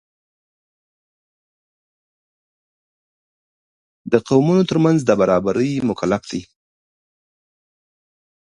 د قومونو تر منځ د برابرۍ مکلف دی.